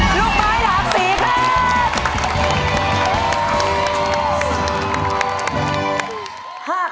ลูกไม้หลัก๔ครับ